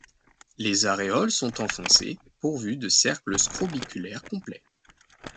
Les aréoles sont enfoncées, pourvues de cercles scrobiculaires complets.